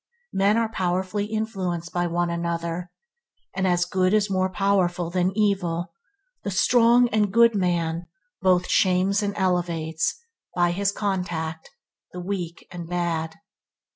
Men are powerfully influenced by one another, and, as good is more powerful than evil, the strong and good man both shames and elevates, by his contact, the weak and bad.